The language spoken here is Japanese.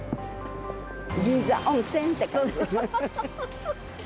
銀山温泉！って感じ。